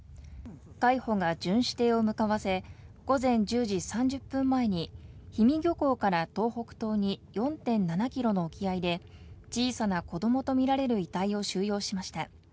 海保が巡視艇を向かわせ、午前１０時３０分前に、氷見漁港から東北東に４．７キロの沖合で、小さな子どもと見られる遺体を収容しました。